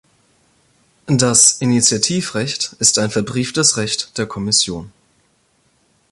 Das Initiativrecht ist ein verbrieftes Recht der Kommission.